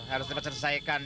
harus cepat selesaikan